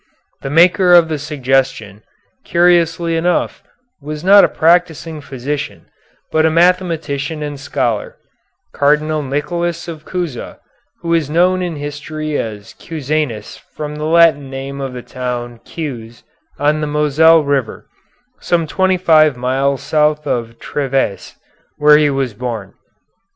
The maker of the suggestion, curiously enough, was not a practising physician, but a mathematician and scholar, Cardinal Nicholas of Cusa, who is known in history as Cusanus from the Latin name of the town Cues on the Moselle River, some twenty five miles south of Trèves, where he was born.